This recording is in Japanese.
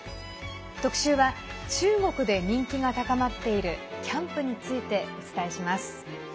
特集は中国で人気が高まっているキャンプについてお伝えします。